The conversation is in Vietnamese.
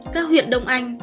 các huyện đông anh